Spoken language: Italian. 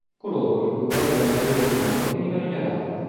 Coloro il cui governo era inferiore ad un anno venivano ignorati.